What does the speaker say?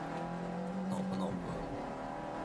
脑婆脑婆